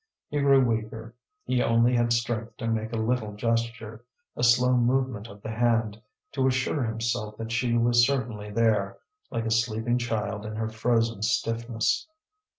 He grew weaker, he only had strength to make a little gesture, a slow movement of the hand, to assure himself that she was certainly there, like a sleeping child in her frozen stiffness.